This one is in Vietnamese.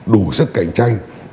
đủ sức cạnh tranh